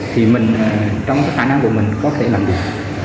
thì mình trong cái khả năng của mình có thể làm được